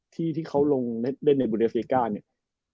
ที่เขาลงเล่นในบูรณีเอเซก้าเนี่ย